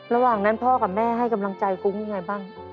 ระหว่างนั้นพ่อกับแม่ให้กำลังใจฟุ้งยังไงบ้าง